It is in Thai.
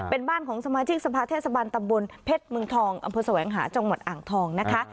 เป็นบ้านของสมาชิกสภาเทศบาลตำบลเพชรเมืองทองอำเภอแสวงหาจังหวัดอ่างทองนะคะ